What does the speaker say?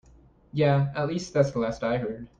Yeah, at least that's the last I heard.